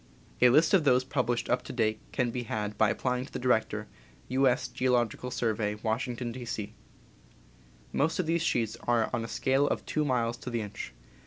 A list of those published up to date can be had by applying to the Director, U. S. Geological Survey, Washington, D. C. Most of these sheets are on a scale of two miles to the inch.